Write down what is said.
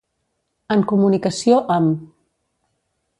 En comunicació amb.